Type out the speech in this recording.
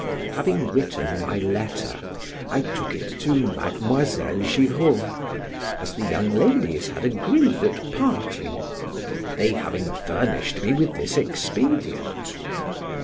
Having written my letter, I took it to Mademoiselle Giraud, as the young ladies had agreed at parting, they having furnished me with this expedient.